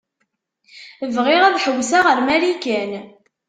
Bɣiɣ ad ḥewwseɣ ar Marikan.